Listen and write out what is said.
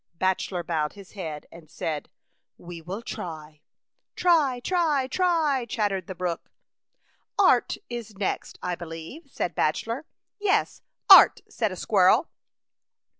Bachelor bowed his head and said, "We will try." " Try, try, try," chattered the brook. "Art is next, I believe," said Bach elor. 6o A Chautauqua Idyl. '* Yes, art/' said a squirrel.